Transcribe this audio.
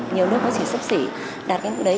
nhiều nước mới chỉ sắp xỉ đạt cái mức đấy